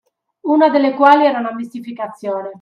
Una delle quali era una mistificazione.